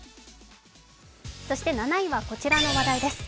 ７位は、こちらの話題です。